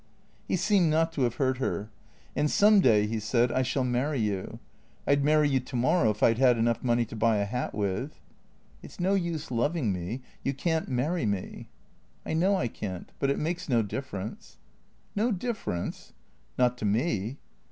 He seemed not to have heard her. " And some day," he said, " I shall marry you. I 'd marry you to morrow if I 'd enough money to buy a hat with." " It 's no use loving me. You can't marry me." " I know I can't. But it makes no difference." " No difference ?"" Not to me."